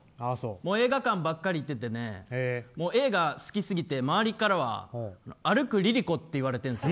映画館ばっかり行ってて映画、好きすぎて周りからは歩くＬｉＬｉＣｏて言われてるんです。